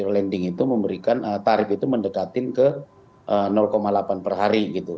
landing itu memberikan tarif itu mendekatin ke delapan per hari gitu